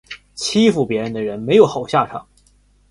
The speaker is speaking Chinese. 欺负别人的人没有好下场